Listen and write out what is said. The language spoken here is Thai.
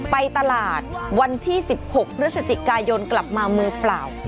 ไปตลาดวันที่๑๖พฤศจิกายนกลับมามือเปล่า